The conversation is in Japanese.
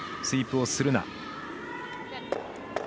スイープをするな。